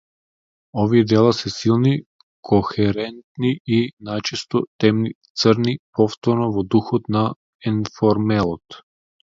Овие дела се силни, кохерентни и најчесто темни, црни, повторно во духот на енформелот.